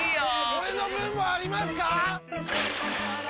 俺の分もありますか！？